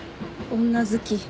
女好き。